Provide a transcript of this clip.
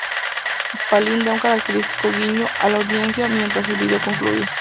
Palin da un característico guiño a la audiencia mientras el vídeo concluye.